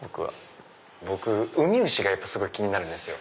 僕ウミウシが気になるんですよ。